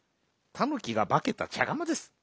たぬきがばけたちゃがまです。